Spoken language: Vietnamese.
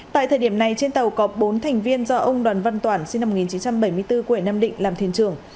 tại thời điểm này trên tàu có bốn thành viên do ông đoàn văn toản sinh năm một nghìn chín trăm bảy mươi bốn quê nam định làm thuyền trưởng